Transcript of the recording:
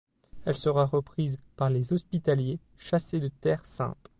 Elle sera reprise par les Hospitaliers chassés de Terre Sainte.